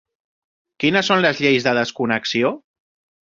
Quines són les lleis de desconnexió?